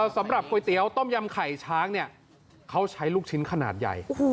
สำหรับก๋วยเตี๋ยวต้มยำไข่ช้างเนี่ยเขาใช้ลูกชิ้นขนาดใหญ่